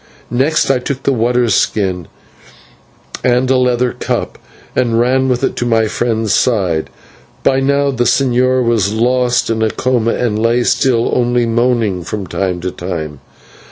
Then I took the water skin and a leather cup, and ran with it to my friend's side. By now the señor was lost in a coma and lay still, only moaning from time to time.